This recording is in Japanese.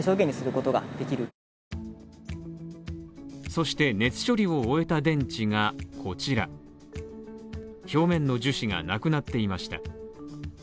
そして熱処理を終えた電池が、こちら、表面の樹脂がなくなっていました